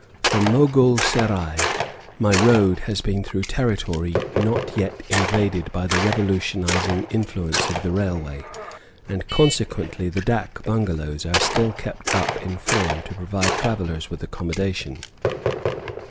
From Mogul Serai my road has been through territory not yet invaded by the revolutionizing influence of the railway, and consequently the dak bungalows are still kept up in form to provide travellers with accommodation.